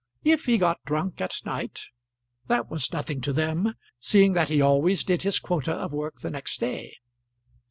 If he got drunk at night that was nothing to them, seeing that he always did his quota of work the next day.